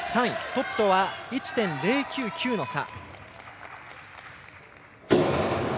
トップとは１．０９９の差。